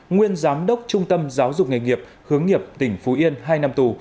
nguyên giám đốc trung tâm giáo dục nghề nghiệp hướng nghiệp tỉnh phú yên hai năm tù